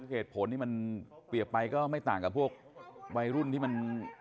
เหตุผลที่มันเปรียบไปก็ไม่ต่างกับพวกวัยรุ่นที่มัน